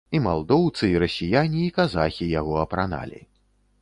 І малдоўцы, і расіяне, і казахі яго апраналі.